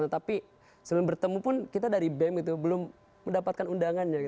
tapi sebelum bertemu pun kita dari bem itu belum mendapatkan undangannya